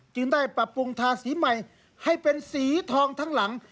จึงได้ปรับปรุงทาสีใหม่ให้เป็นสีทองทั้งหลัง